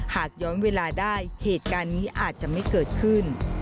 หากย้อนเวลาได้เหตุการณ์นี้อาจจะไม่เกิดขึ้น